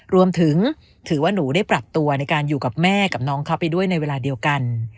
รวมถึงถือว่าหนูได้ปรับตัวในการอยู่กับแม่กับน้องเขาไปด้วยในเวลาเดียวกัน